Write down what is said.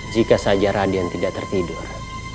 jika saja radian tidak tertidur